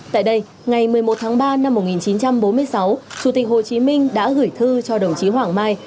tại đây ngày một mươi một tháng ba năm một nghìn chín trăm bốn mươi sáu chủ tịch hồ chí minh đã gửi thư cho đồng chí hoàng mai